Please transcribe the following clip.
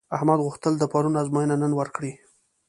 احمد غوښتل د پرون ازموینه نن ورکړي.